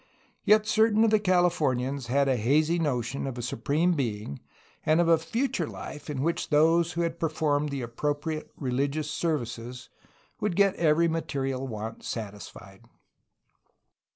Yet certain of the Calif ornians had a hazy notion of a Supreme Being and of a future life in which those who had performed the appro priate religious services would get every material want satisfied.